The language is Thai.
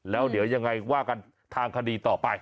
แล้วเดี๋ยวยังไงว่ากันทางคดีต่อไป